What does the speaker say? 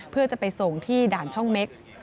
เพื่อจะไปส่งที่ด่านช่องเม็ก